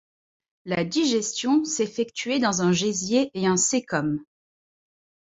La digestion s’effectuait dans un gésier et un cæcum.